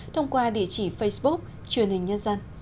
thông qua địa chỉ facebook truyền hình nhân dân